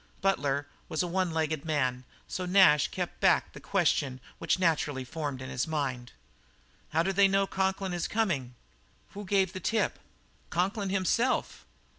Butler was a one legged man, so Nash kept back the question which naturally formed in his mind. "How do they know Conklin is coming? Who gave the tip?" "Conklin himself."